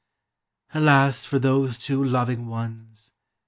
Alas for those two loving ones!